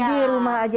di rumah aja